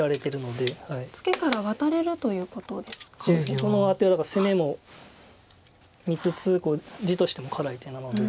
このアテはだから攻めも見つつ地としても辛い手なので。